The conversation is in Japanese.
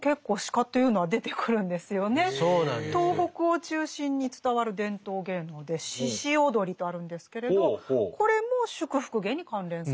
東北を中心に伝わる伝統芸能で鹿踊りとあるんですけれどこれも祝福芸に関連するものなんですね。